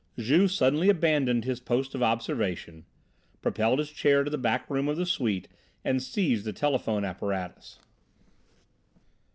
Juve suddenly abandoned his post of observation, propelled his chair to the back room of the suite and seized the telephone apparatus.